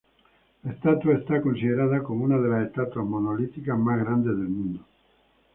La estatua está considerada como una de las estatuas monolíticas más grandes del mundo.